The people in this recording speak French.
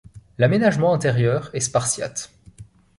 L’aménagement intérieur est spartiate.